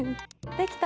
できた。